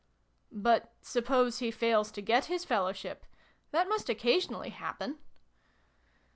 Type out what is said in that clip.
" But suppose he fails to get his Fellowship ? That must occasionally happen."